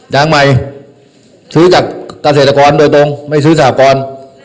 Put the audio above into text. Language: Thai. ยางใหม่ซื้อจากกาเศรษฐกรโดยตรงไม่ซื้อสถาบกร